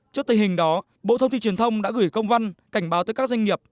trước tình hình đó bộ thông tin truyền thông đã gửi công văn cảnh báo tới các doanh nghiệp